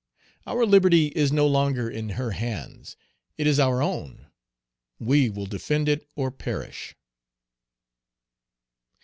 Our liberty is no longer in her hands; it is our own! We will defend it or perish."